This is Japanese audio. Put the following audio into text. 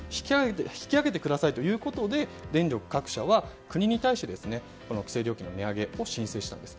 引き上げてくださいということで電力各社は国に対して規制料金の値上げを申請したんです。